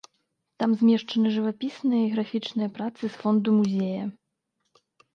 Там змешчаны жывапісныя і графічныя працы з фонду музея.